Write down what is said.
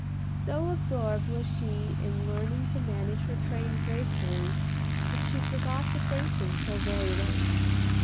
So absorbed was she in learning to manage her train gracefully, that she forgot the facing till very late.